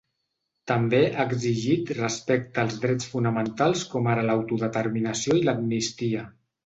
També ha exigit respecte als drets fonamentals com ara l’autodeterminació i l’amnistia.